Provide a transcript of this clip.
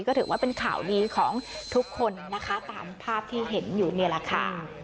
ก็ถือว่าเป็นข่าวดีของทุกคนนะคะตามภาพที่เห็นอยู่นี่แหละค่ะ